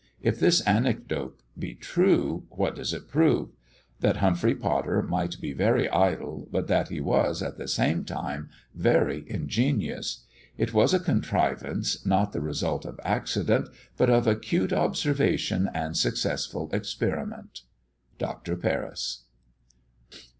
If this anecdote be true, what does it prove? That Humphrey Potter might be very idle, but that he was, at the same time, very ingenious. It was a contrivance, not the result of accident, but of acute observation and successful experiment. _Dr. Paris.